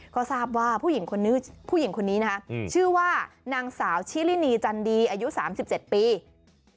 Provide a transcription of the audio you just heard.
ก็ทราบว่าผู้หญิงคนนี้นะชื่อว่านางสาวชิรินีจันดีอายุ๓๗ปี